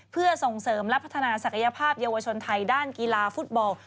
เพื่อส่งเสริมและพัฒนาศักยภาพเยาวชนไทยด้านกีฬาฟุตบอล